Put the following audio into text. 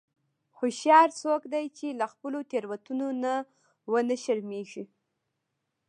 هوښیار څوک دی چې له خپلو تېروتنو نه و نه شرمیږي.